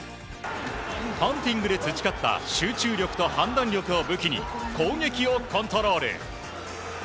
ハンティングで培った集中力と判断力を武器に攻撃をコントロール。